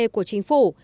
của chính phủ